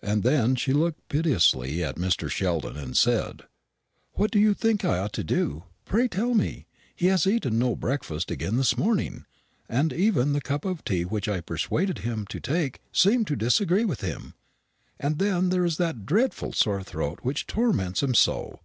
And then she looked piteously at Mr. Sheldon, and said, "What do you think I ought to do? Pray tell me. He has eaten no breakfast again this morning; and even the cup of tea which I persuaded him to take seemed to disagree with him. And then there is that dreadful sore throat which torments him so.